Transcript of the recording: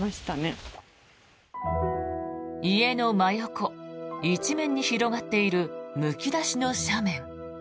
家の真横一面に広がっているむき出しの斜面。